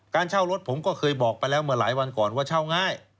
เช่ารถผมก็เคยบอกไปแล้วเมื่อหลายวันก่อนว่าเช่าง่าย